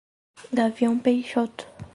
Gavião Peixoto